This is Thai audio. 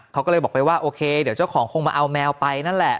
เขาก็เลยบอกไปว่าโอเคเดี๋ยวเจ้าของคงมาเอาแมวไปนั่นแหละ